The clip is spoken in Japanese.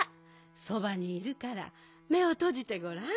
そばにいるからめをとじてごらん。